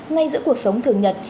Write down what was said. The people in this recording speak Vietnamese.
ngay giữa cuộc sống thường nhật